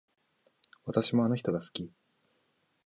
私もあの人が好き